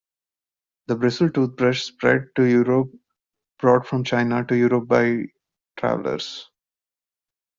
The bristle toothbrush spread to Europe, brought from China to Europe by travellers.